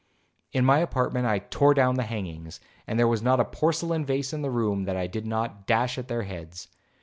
In my apartment I tore down the hangings, and there was not a porcelain vase in the room that I did not dash at their heads.